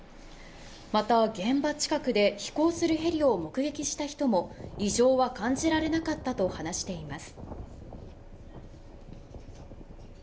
また、現場近くで飛行するヘリを目撃した人も異常は感じられなかったと話しています。